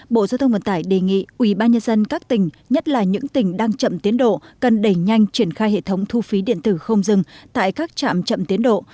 bộ giao thông vận tải đề nghị ubnd các tỉnh nhất là những tỉnh đang chậm tiến độ cần đẩy nhanh triển khai hệ thống thu phí điện tử không dừng tại các trạm chậm tiến độ